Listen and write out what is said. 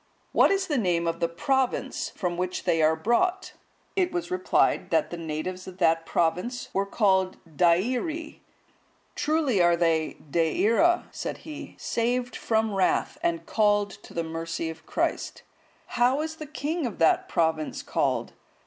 What is the name of the province from which they are brought?" It was replied, that the natives of that province were called Deiri.(159) "Truly are they De ira," said he, "saved from wrath, and called to the mercy of Christ. How is the king of that province called?"